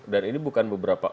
dan ini bukan